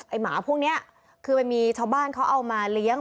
หมาพวกนี้คือมันมีชาวบ้านเขาเอามาเลี้ยง